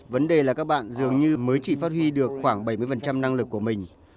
vấn đề là các bạn dường như mới chỉ phát huy được khoảng bảy mươi năng lực của mình